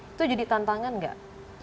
itu jadi tantangan nggak